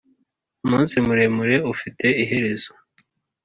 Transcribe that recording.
umunsi muremure ufite iherezo.